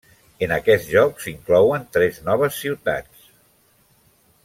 En aquest joc s'inclouen tres noves ciutats: